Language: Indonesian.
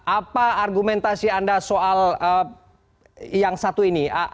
apa argumentasi anda soal yang satu ini